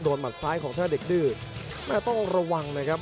หมัดซ้ายของถ้าเด็กดื้อแม่ต้องระวังนะครับ